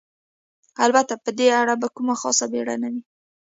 البته په دې اړه به کومه خاصه بېړه نه وي.